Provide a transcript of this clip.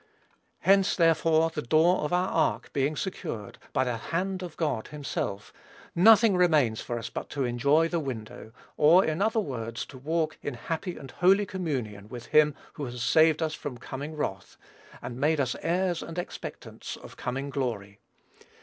Hence, therefore, the door of our ark being secured, by the hand of God himself, nothing remains for us but to enjoy the window; or, in other words, to walk in happy and holy communion with him who has saved us from coming wrath, and made us heirs and expectants of coming glory.